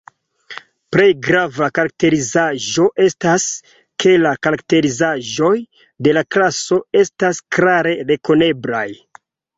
Plej grava karakterizaĵo estas, ke la karakterizaĵoj de la klaso estas klare rekoneblaj.